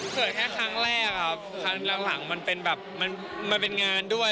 เกิดแค่ครั้งแรกครับครั้งหลังมันเป็นแบบมันเป็นงานด้วย